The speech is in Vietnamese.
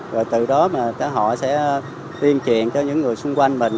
rồi từ đó mà họ sẽ tiên triện cho những người xung quanh mình